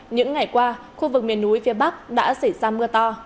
những ngày qua khu vực miền núi phía bắc đã xảy ra mưa to